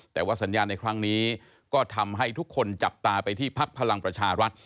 แต่ว่าสัญญาณในครั้งนี้ก็ทำให้ทุกคนจับตาไปที่พักพลังประชารัฐ